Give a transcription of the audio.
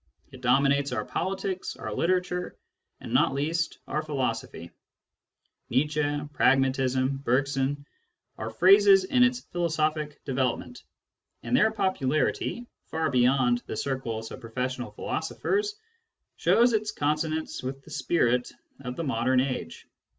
It dominates our politics, our literature, and not least our philosophy. Nietzsche, pragmatism, Bergson, are phases in its philosophic development, and their popularity far beyond the circles of professional philosophers shows its consonance with the spirit of the age.